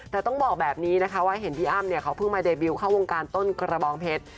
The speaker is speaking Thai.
แต่ต้องบอกแบบนี้นะคะว่าเห็นพี่อ้ำเนี่ยเขาเพิ่งมาเดบิลเข้าวงการต้นกระบองเพชร